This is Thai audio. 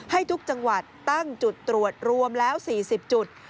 ให้ทุกจังหวัดตั้งจุดตรวจรวมแล้ว๔๐จุด